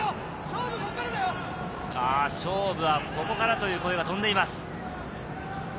勝負はここからという声が飛んでいます。